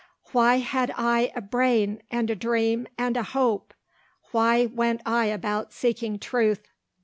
"Why had I a brain and a dream and a hope? Why went I about seeking Truth?"